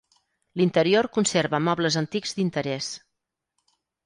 L'interior conserva mobles antics d'interès.